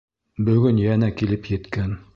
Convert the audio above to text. Бөгөн йәнә килеп еткән.